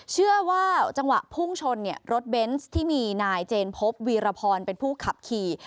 เชื่อว่าจังหวะพุ่งชนรถเบนส์ที่มีนายเจนพบวีรพรเป็นผู้ขับขี่